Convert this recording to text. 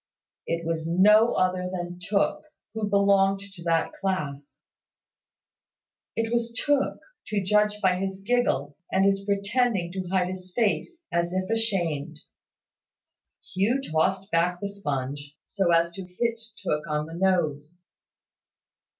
It was no other than Tooke, who belonged to that class: it was Tooke, to judge by his giggle, and his pretending to hide his face, as if ashamed. Hugh tossed back the sponge, so as to hit Tooke on the nose.